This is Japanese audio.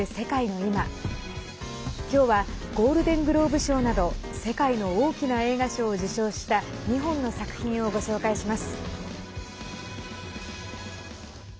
今日はゴールデングローブ賞など世界の大きな映画賞を受賞した２本の作品をご紹介します。